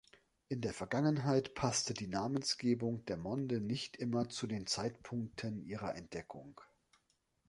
In der Vergangenheit passte die Namensgebung der Monde nicht immer zu den Zeitpunkten ihrer Entdeckung.